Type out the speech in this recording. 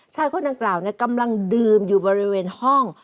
ชายคนนั้นกล่าวเนี่ยกำลังดื่มอยู่บริเวณห้อง